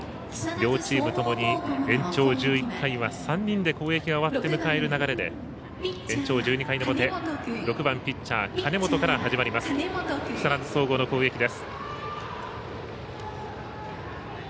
両チームともに延長１１回は３人で攻撃が終わって迎える流れで延長１２回の表６番、ピッチャー金本から始まります、木更津総合の攻撃。